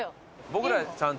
僕らちゃんと。